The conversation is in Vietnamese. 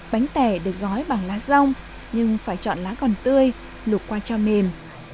bánh tẻ được gói bằng lá rong nhưng phải chọn lá còn tươi lục qua cho mềm